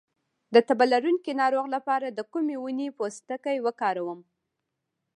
د تبه لرونکي ناروغ لپاره د کومې ونې پوستکی وکاروم؟